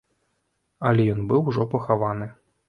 Але ён быў ужо пахаваны.